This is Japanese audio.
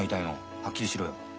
はっきりしろよ。